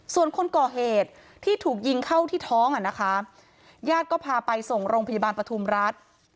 ส่วนคนก่อเหตุที่ถูกยิงเข้าที่ท้องอ่ะนะคะญาติก็พาไปส่งโรงพยาบาลปฐุมรัฐ